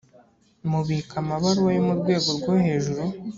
mubika amabaruwa yo mu rwego rwohejuru.